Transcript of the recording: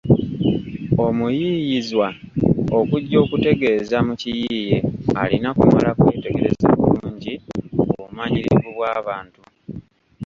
Omuyiiyizwa okujja obutegeeza mu kiyiiye alina kumala kwetegereza bulungi obumanyirivu bw’abantu.